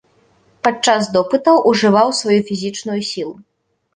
Падчас допытаў ужываў сваю фізічную сілу.